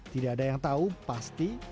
tidak ada yang tahu pasti